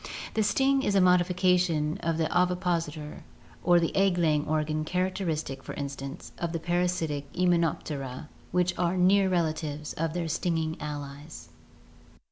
The sting is a modification of the ovipositor or egg laying organ characteristic, for instance, of the parasitic Hymenoptera which are near relatives of their stinging allies.